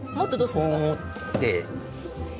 こう持って。